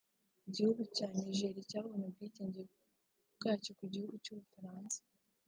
Igihugu cya Niger cyabonye ubwigenge bwacyo ku gihugu cy’u Bufaransa